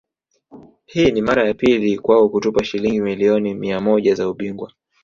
Hii ni mara ya pili kwao kutupa Shilingi milioni mia moja za ubingwa